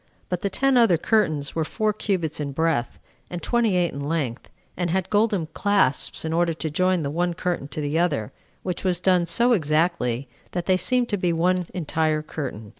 But the ten other curtains were four cubits in breadth, and twenty eight in length; and had golden clasps, in order to join the one curtain to the other, which was done so exactly that they seemed to be one entire curtain.